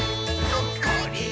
ほっこり。